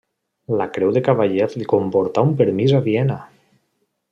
La Creu de Cavaller li comportà un permís a Viena.